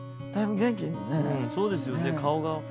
そうですよね顔が。